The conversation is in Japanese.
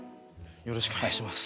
よろしくお願いします。